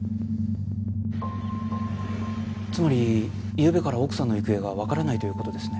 つまりゆうべから奥さんの行方がわからないという事ですね？